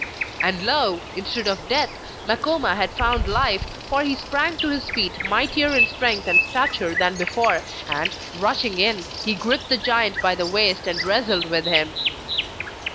And lo! instead of death, Makoma had found life, for he sprang to his feet mightier in strength and stature than before, and rushing in he gripped the giant by the waist and wrestled with him.